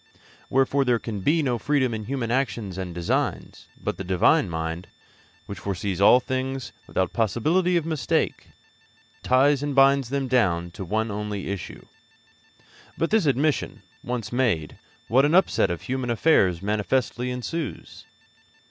Wherefore there can be no freedom in human actions and designs; but the Divine mind, which foresees all things without possibility of mistake, ties and binds them down to one only issue. But this admission once made, what an upset of human affairs manifestly ensues!